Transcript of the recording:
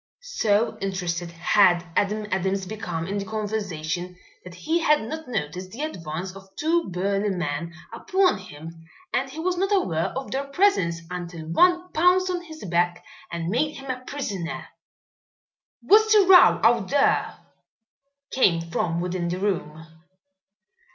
So interested had Adam Adams become in the conversation that he had not noticed the advance of two burly men upon him and he was not aware of their presence until one pounced on his back and made him a prisoner. "What's the row out there?" came from within the room.